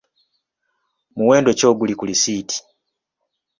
Muwendo ki oguli ku lisiiti?